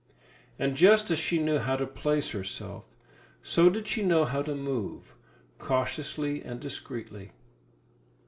And just as she knew how to place herself, so did she know how to move cautiously and discreetly.